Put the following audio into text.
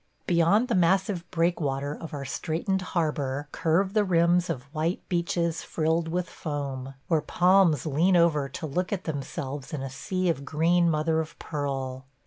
Beyond the massive breakwater of our straitened harbor curve the rims of white beaches frilled with foam, where palms lean over to look at themselves in a sea of green mother of pearl.